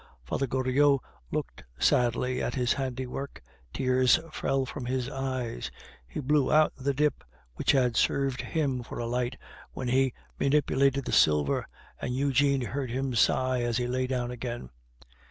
Father Goriot looked sadly at his handiwork, tears fell from his eyes, he blew out the dip which had served him for a light while he manipulated the silver, and Eugene heard him sigh as he lay down again.